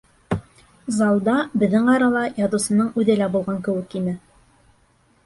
Залда, беҙҙең арала, яҙыусының үҙе лә булған кеүек ине.